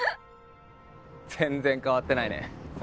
全然変わってないね幸。